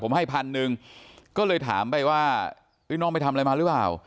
ผมให้พันหนึ่งก็เลยถามไปว่าน้องไปทำอะไรมาหรือเปล่า